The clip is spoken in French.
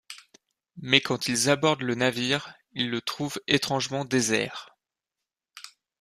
Mais quand ils abordent le navire, ils le trouvent étrangement désert...